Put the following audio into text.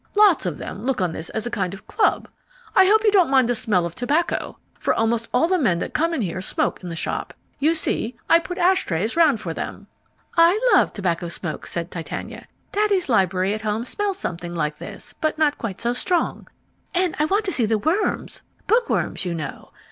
Lots of them look on this as a kind of club. I hope you don't mind the smell of tobacco, for almost all the men that come here smoke in the shop. You see, I put ash trays around for them." "I love tobacco smell," said Titania. "Daddy's library at home smells something like this, but not quite so strong. And I want to see the worms, bookworms you know.